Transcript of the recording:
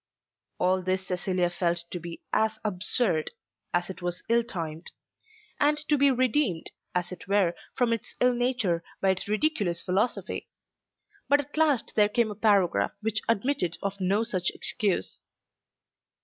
All this Cecilia felt to be as absurd as it was ill timed; and to be redeemed, as it were, from its ill nature by its ridiculous philosophy. But at last there came a paragraph which admitted of no such excuse.